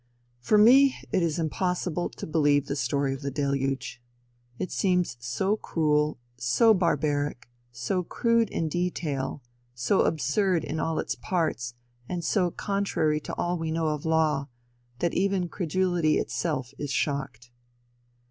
For me it is impossible to believe the story of the deluge. It seems so cruel, so barbaric, so crude in detail, so absurd in all its parts, and so contrary to all we know of law, that even credulity itself is shocked.